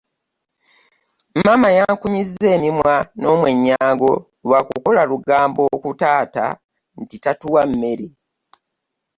Maama yankunyiza emimwa n'omwenyango lwakukola lugambo ku taata nti tatuwa mmere.